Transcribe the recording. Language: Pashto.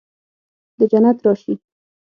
د جنت راشي